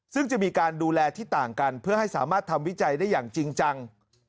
ซึ่งจะมีการดูแลที่ต่างกันเพื่อให้สามารถทำวิจัยได้อย่างจริงจัง